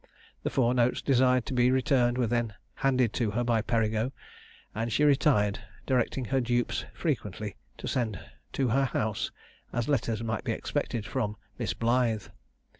The four notes desired to be returned were then handed to her by Perigo, and she retired, directing her dupes frequently to send to her house, as letters might be expected from Miss Blythe.